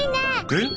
えっ？